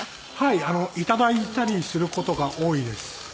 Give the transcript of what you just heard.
いただいたりする事が多いです。